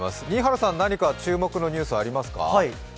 新原さん、何か注目のニュースありますか？